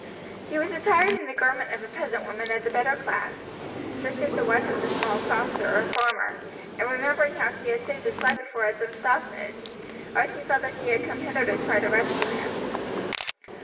She was attired in the garment of a peasant woman of the better class, such as the wife of a small crofter or farmer, and remembering how she had saved his life before at Dunstaffnage, Archie felt that she had come hither to try to rescue him.